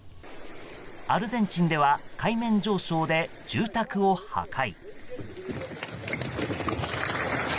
アルゼンチンでは海面上昇で住宅を破壊。